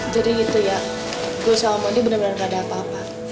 jadi gitu ya gue sama mondi bener bener gak ada apa apa